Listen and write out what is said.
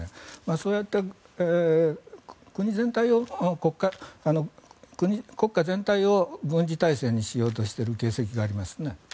そうやって国家全体を軍事態勢にしようとしている形跡があります。